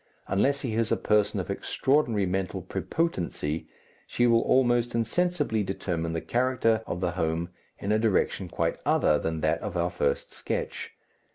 Unless he is a person of extraordinary mental prepotency, she will almost insensibly determine the character of the home in a direction quite other than that of our first sketch.